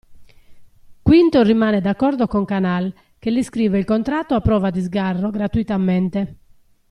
Quinto rimane d'accordo con Canal che gli scrive il contratto a prova di sgarro gratuitamente.